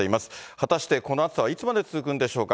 果たしてこの暑さはいつまで続くんでしょうか。